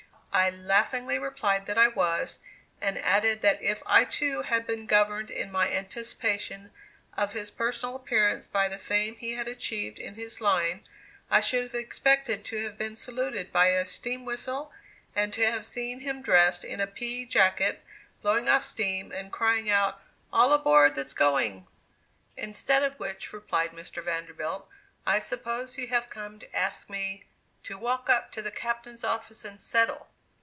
I laughingly replied that I was, and added that if I too had been governed in my anticipation of his personal appearance by the fame he had achieved in his line, I should have expected to have been saluted by a steam whistle, and to have seen him dressed in a pea jacket, blowing off steam, and crying out "all aboard that's going." "Instead of which," replied Mr. Vanderbilt, "I suppose you have come to ask me, 'to walk up to the Captain's office and settle.